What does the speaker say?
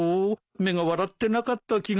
目が笑ってなかった気がする。